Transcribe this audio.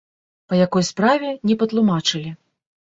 Па якой справе, не патлумачылі.